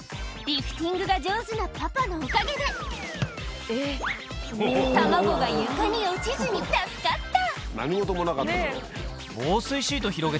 リフティングが上手なパパのおかげで、卵が床に落ちずに助かった。